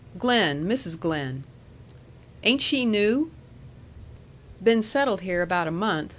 "Glen. Mrs. Glen." "Ain't she new?" "Been settled here about a month.